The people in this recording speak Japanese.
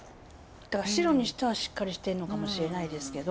白にしてはしっかりしてるのかもしれないですけど。